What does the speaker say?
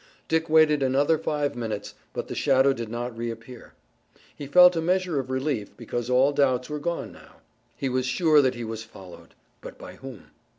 Dick waited another five minutes, but the shadow did not reappear. He felt a measure of relief because all doubts were gone now. He was sure that he was followed, but by whom?